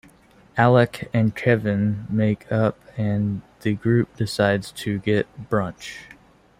Alec and Kevin make up and the group decides to get brunch.